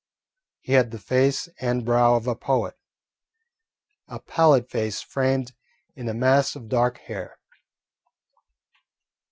He had the face and brow of a poet, a pallid face framed in a mass of dark hair.